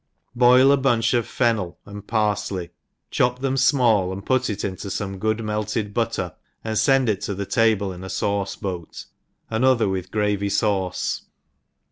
Boil a bun^h of fennel aud parfley, chop them fmall, and put it into fome good melted butter, and fend it to the table in a fai|ce~boat; another with gravy fauce.